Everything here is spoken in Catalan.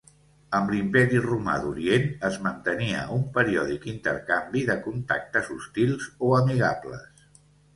Amb l'Imperi Romà d'Orient es mantenia un periòdic intercanvi de contactes hostils o amigables.